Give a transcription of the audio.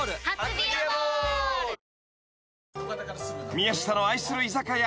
［宮下の愛する居酒屋］